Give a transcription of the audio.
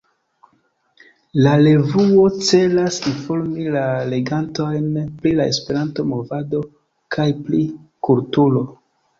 La revuo celas informi la legantojn pri la Esperanto-movado kaj pri kulturo.